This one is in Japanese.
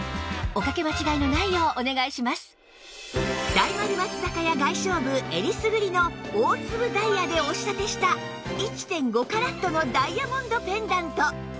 大丸松坂屋外商部えりすぐりの大粒ダイヤでお仕立てした １．５ カラットのダイヤモンドペンダント